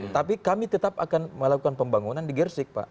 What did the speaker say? tapi kami tetap akan melakukan pembangunan di gersik pak